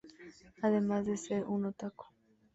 Además de ser un Otaku.